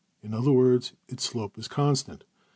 In other words its \emph{slope} is constant.